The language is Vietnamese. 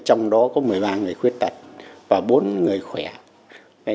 trong đó có một mươi ba người khuyết tật và bốn người khỏe